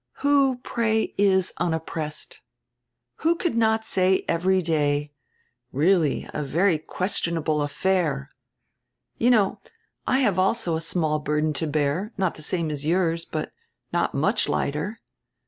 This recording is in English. Who, pray, is unoppressed? Who could not say every day: 'Really a very questionable affair.' You know, I have also a small burden to bear, not die same as yours, but not much lighter.